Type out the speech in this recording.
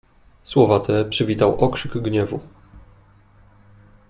"Słowa te przywitał okrzyk gniewu."